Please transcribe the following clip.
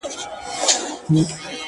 زما ځوانمرگ وماته وايي~